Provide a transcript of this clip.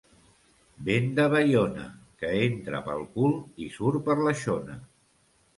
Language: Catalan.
Vent de Baiona [que entra pel cul i surt per la xona].